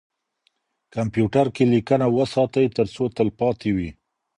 کمپیوتر کې لیکنه وساتئ ترڅو تلپاتې وي.